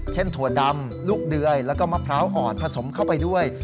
ถั่วดำลูกเดยแล้วก็มะพร้าวอ่อนผสมเข้าไปด้วย